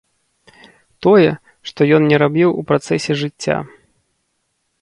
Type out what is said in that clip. Тое, што ён не рабіў у працэсе жыцця.